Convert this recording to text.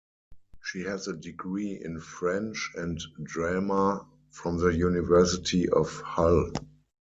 She has a degree in French and Drama from the University of Hull.